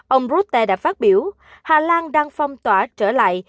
ông rutte đã phát biểu hà lan đang phong tỏa trở lại